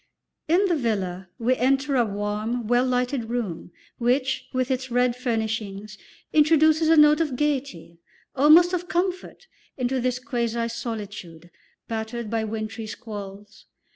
In the villa we enter a warm, well lighted room, which, with its red furnishings, introduces a note of gaiety, almost of comfort, into this quasi solitude, battered by wintry squalls.